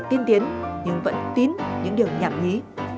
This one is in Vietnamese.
tiên tiến nhưng vẫn tín những điều nhạc nhí